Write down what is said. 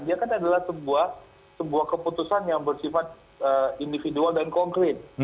dia kan adalah sebuah keputusan yang bersifat individual dan konkret